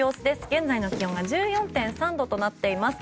現在の気温は１４．３度となっています。